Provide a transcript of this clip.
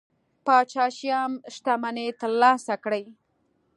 پاچا شیام شتمنۍ ترلاسه کړي.